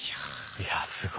いやすごい。